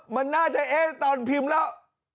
มันน่าจะเอ๊ะตอนพิมพ์แล้ว